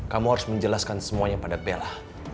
kamu harus menjelaskan semuanya pada bella